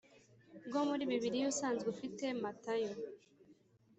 bwo muri Bibiliya usanzwe ufite Matayo